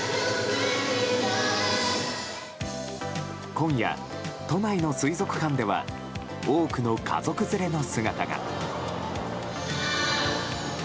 今夜、都内の水族館では多くの家族連れの姿が。